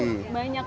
banyak banget ini